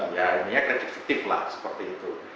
ya intinya kredit fiktif lah seperti itu